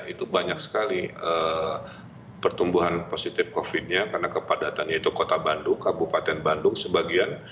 itu banyak sekali pertumbuhan positif covid nya karena kepadatannya itu kota bandung kabupaten bandung sebagian